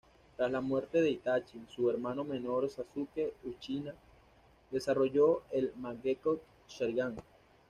Tras la muerte de Itachi, su hermano menor Sasuke Uchiha desarrolló el Mangekyō Sharingan.